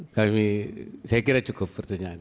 saya kira cukup pertanyaan